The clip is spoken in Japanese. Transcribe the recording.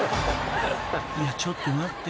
［いやちょっと待って。